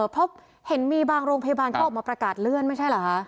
เพราะเห็นมีบางโรงพยาบาลเขาออกมาประกาศเลื่อนไม่ใช่เหรอคะ